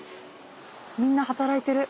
みんな働いてる。